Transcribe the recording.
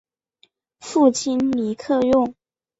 父亲李克用。